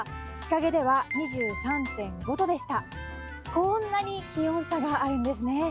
こんなに気温差があるんですね。